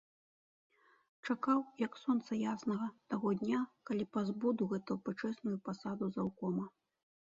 Чакаў, як сонца яснага, таго дня, калі пазбуду гэту пачэсную пасаду заўкома.